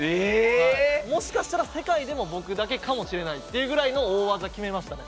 もしかしたら、世界でも僕だけかもしれないっていうぐらいの大技、決めましたね。